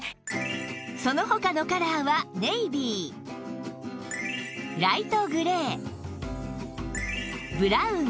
その他のカラーはネイビーライトグレーブラウン